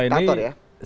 jika tidak diktator ya